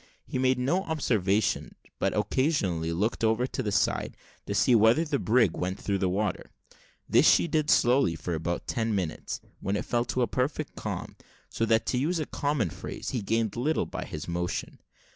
He made no observation, but occasionally looked over the side, to see whether the brig went through the water. This she did slowly for about ten minutes, when it fell a perfect calm so that, to use a common phrase, he gained little by his motion.